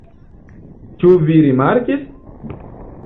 Ĉu vi rimarkis?